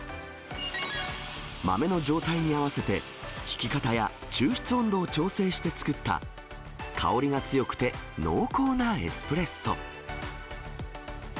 豆の状態に合わせて、ひき方や抽出温度を調整して作った、香りが強くて、濃厚なエスプレッソ。